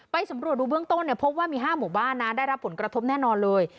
สำรวจดูเบื้องต้นเนี่ยพบว่ามี๕หมู่บ้านนะได้รับผลกระทบแน่นอนเลย